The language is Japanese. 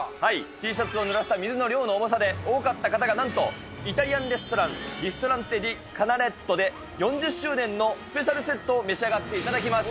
Ｔシャツをぬらした水の量の重さで、多かった方がなんと、イタリアンレストラン、リストランテ・ディ・カナレットで、４０周年のスペシャルセットを召し上がっていただきます。